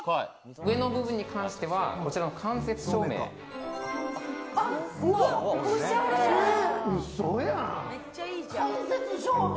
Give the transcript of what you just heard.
上の部分に関しては間接照明。